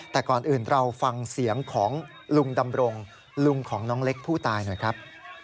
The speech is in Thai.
แต่ก่อนอื่นเราฟังเสียงของลุงดำรงลุงของน้องเล็กผู้ตายหน่อยครับ